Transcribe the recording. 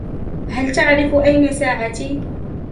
هل تعرف أين ساعتي ؟